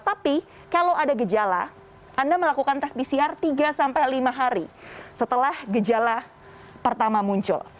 tapi kalau ada gejala anda melakukan tes pcr tiga sampai lima hari setelah gejala pertama muncul